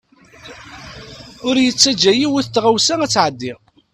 Ur yettaǧa yiwet n tɣawsa ad t-tɛeddi.